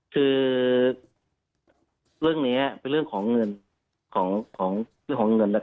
คือเรื่องนี้เป็นเรื่องของเงิน